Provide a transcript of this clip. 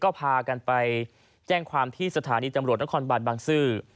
ก็พากันไปแจ้งความที่สถานีตำรวจนครบานบางซื่อ